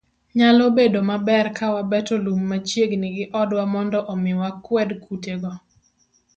Nyalo bedo maber ka wabeto lum machiegni gi odwa mondo omi wakwed kutego.